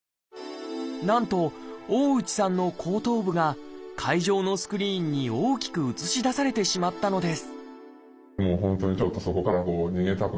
なんと大内さんの後頭部が会場のスクリーンに大きく映し出されてしまったのです